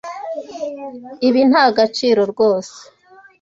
Ibi nta gaciro rwose.